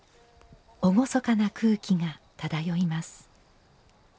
厳かな空気が漂います。